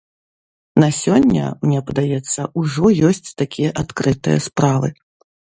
На сёння, мне падаецца, ужо ёсць такія адкрытыя справы.